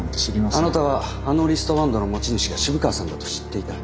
あなたはあのリストバンドの持ち主が渋川さんだと知っていた。